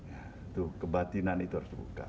ya tuh kebatinan itu harus dibuka